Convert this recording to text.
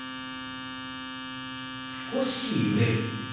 「少し揺れる」。